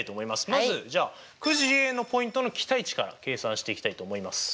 まずじゃあくじＡのポイントの期待値から計算していきたいと思います。